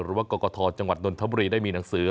หรือกกกทาวน์จังหวัดนทบุรีได้มีหนังสือ